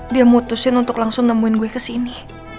dia mutusin untuk langsung nemuin gue kesini